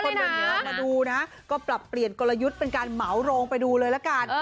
อย่างนี้มาดูนะก็ปรับเปลี่ยนกลยุทธ์เป็นการเหมาโรงไปดูเลยละกัน